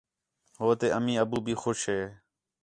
ہو تے امّی، ابّو بھی خوش ہِے